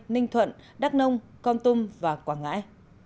ninh thuận đắk nông con tum và quảng ngãi